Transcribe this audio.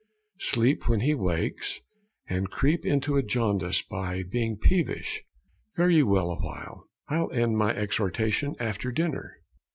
Sleep when he wakes, and creep into a jaundice By being peevish? Fare ye well awhile: I'll end my exhortation after dinner.